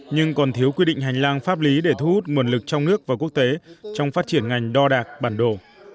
nhưng còn thiếu quy định hành lang pháp lý để thu hút nguồn lực trong nước và quốc tế trong phát triển ngành đo đạc bản đồ